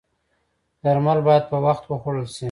درمل باید په وخت وخوړل شي